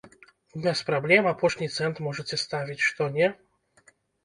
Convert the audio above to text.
Без праблем апошні цэнт можаце ставіць, што не.